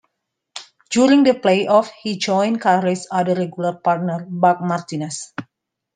During the playoffs, he joined Caray's other regular partner, Buck Martinez.